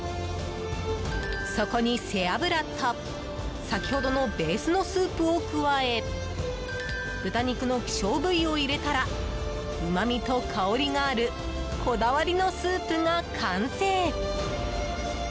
そこに背脂と先ほどのベースのスープを加え豚肉の希少部位を入れたらうまみと香りがあるこだわりのスープが完成。